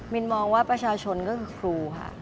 นมองว่าประชาชนก็คือครูค่ะ